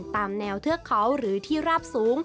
ตามแนวเทือกเขาหรือที่ราบสูง